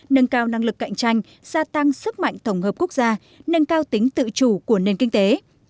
nâng cao năng lực cạnh tranh gia tăng sức mạnh tổng hợp quốc gia nâng cao tính tự chủ của nền kinh tế